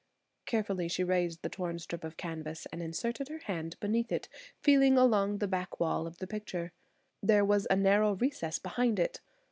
Carefully she raised the torn strip of canvas and inserted her hand beneath it, feeling along the wall back of the picture. There was a narrow recess behind it.